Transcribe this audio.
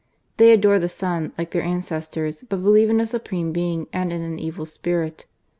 They adore the sun, like their ancestors ; but believe in a Supreme Being and in an evil spirit.